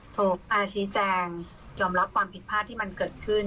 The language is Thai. ชี้แจงยอมรับความผิดพลาดที่มันเกิดขึ้น